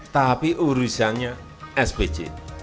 tapi urusannya spj